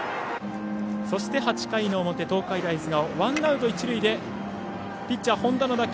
そして８回の表東海大菅生ワンアウト、一塁でピッチャー、本田の打球。